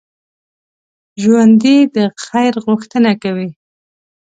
ژوندي د خیر غوښتنه کوي